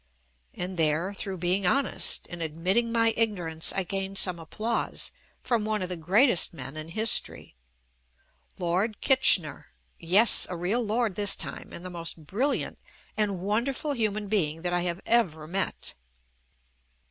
And JUST ME there through being honest and admitting my ignorance I gained some applause from one of the greatest men in history — "Lord Kitchener" — yes a real lord this time, and the most bril liant and wonderful human being that I have ever met.